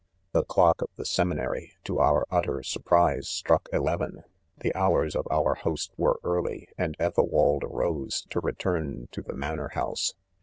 i The clock of the seminary, to our utte? surprise, struck eleven ; the hours of our, host were early, and Etheiwald arose to return to the u manor house."